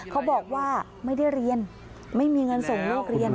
เขาบอกว่าไม่ได้เรียนไม่มีเงินส่งลูกเรียน